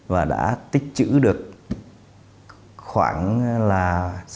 và đã tích chữ được khoảng sáu trăm năm mươi khoảng gần bảy trăm linh triệu m ba nước